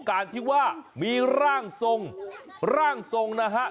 การที่ว่ามีร่างทรงร่างทรงนะฮะ